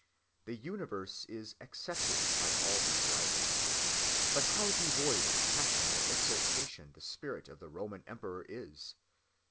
The universe is "accepted" by all these writers; but how devoid of passion or exultation the spirit of the Roman Emperor is!